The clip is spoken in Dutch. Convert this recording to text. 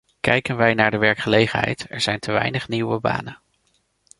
Kijken wij naar de werkgelegenheid: er zijn te weinig nieuwe banen.